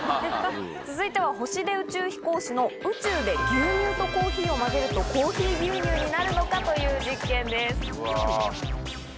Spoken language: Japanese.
続いては星出宇宙飛行士の宇宙で牛乳とコーヒーを混ぜるとコーヒー牛乳になるのか？という実験です。